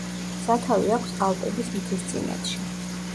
სათავე აქვს ალპების მთისწინეთში.